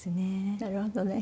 なるほどね。